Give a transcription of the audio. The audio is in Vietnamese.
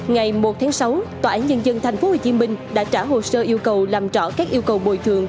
ngày một tháng sáu tòa án nhân dân tp hcm đã trả hồ sơ yêu cầu làm rõ các yêu cầu bồi thường